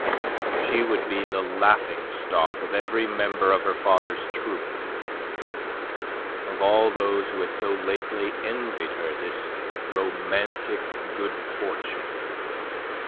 She would be the laughing stock of every member of her father's troupe, of all those who had so lately envied her this romantic good fortune.